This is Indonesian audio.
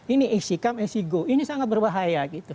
ini xc come xc go ini sangat berbahaya gitu